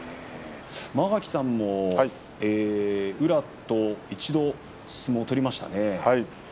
間垣さんも宇良と一度相撲を取りましたね。